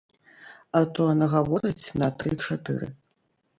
А то нагаворыць на тры-чатыры.